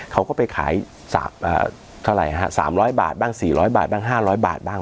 เขาก็ไปขาย๓๐๐บาทบ้าง๔๐๐บาทบ้าง๕๐๐บาทบ้าง